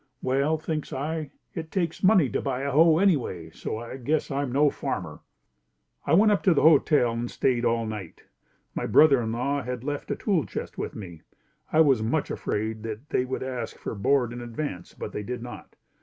Well, thinks I, it takes money to buy a hoe anyway, so I guess I'm no farmer. I went up to the hotel and stayed all night. My brother in law had left a tool chest with me. I was much afraid they would ask for board in advance, but they did not.